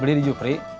beli di jupri